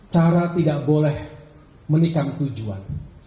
cara tidak boleh menikam tujuan